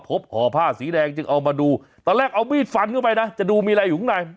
ห่อผ้าสีแดงจึงเอามาดูตอนแรกเอามีดฟันเข้าไปนะจะดูมีอะไรอยู่ข้างใน